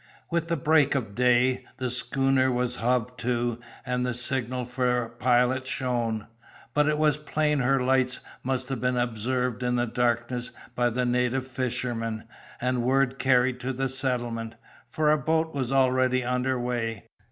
With the break of day, the schooner was hove to, and the signal for a pilot shown. But it was plain her lights must have been observed in the darkness by the native fishermen, and word carried to the settlement, for a boat was already under weigh.